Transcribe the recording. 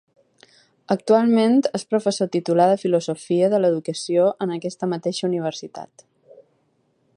Actualment és professor titular de Filosofia de l'Educació en aquesta mateixa universitat.